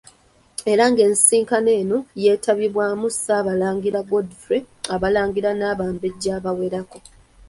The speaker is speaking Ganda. Era ng' ensisinkano eno yeetabiddwamu Ssaabalangira Godfrey, Abalangira n'Abambejja abawerako.